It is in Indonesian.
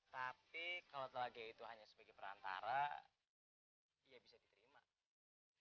tapi kalau pelaga itu hanya sedikit berantara ya itu sudah pasti